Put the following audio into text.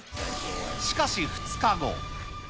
しかし２日後。